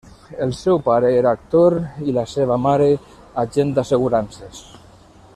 El seu pare era actor i la seva mare agent d'assegurances.